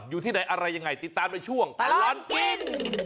อยู่ที่ไหนอะไรยังไงติดตามในช่วงตลอดกิน